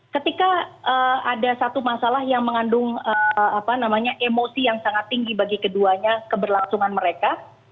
ketika ada satu masalah yang mengandung emosi yang sangat tinggi bagi keduanya keberlangsungan mereka